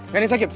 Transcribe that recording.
gak ada sakit